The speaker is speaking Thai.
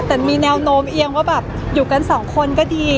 แต่มีแนวโน้มเอียงว่าแบบอยู่กันสองคนก็ดี